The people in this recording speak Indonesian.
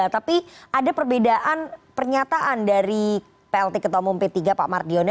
tapi ada perbedaan pernyataan dari plt ketua umum p tiga pak mardiono